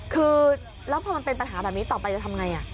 คือแล้วพอมันเป็นปัญหาแบบนี้ต่อไปจะทำไง